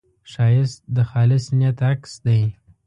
ښایست د خالص نیت عکس دی